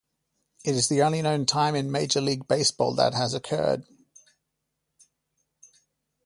It is the only known time in major league baseball that has occurred.